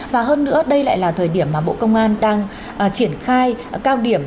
và hơn nữa đây lại là thời điểm mà bộ công an đang triển khai cao điểm